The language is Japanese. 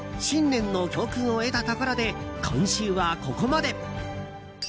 新年の教訓を得たところで今週はここまで。